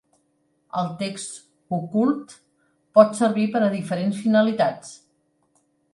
El text ocult pot servir per a diferents finalitats.